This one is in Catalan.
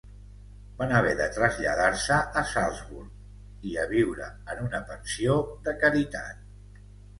Van haver de traslladar-se a Salzburg i a viure en una pensió de caritat.